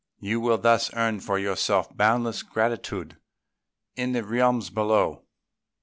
You will thus earn for yourself boundless gratitude in the realms below."